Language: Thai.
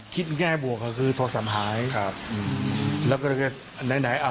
คิดแน่บวกคือโทรศัพท์หาย